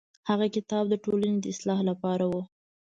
هغه کتاب د ټولنې د اصلاح لپاره و.